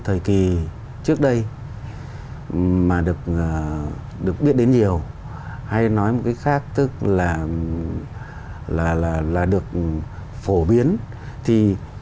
thời kỳ trước đây mà được được biết đến nhiều hay nói cái khác tức là là là là được phổ biến thì